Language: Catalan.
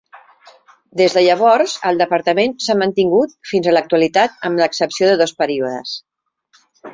Des de llavors el departament s'ha mantingut fins a l'actualitat amb l'excepció de dos períodes.